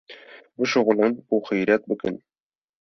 bişuxulin û xîretbikin.